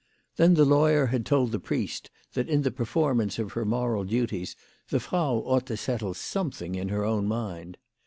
Then the lawyer had told the priest that in the performance of her moral duties the Frau ought to settle something in her own mind.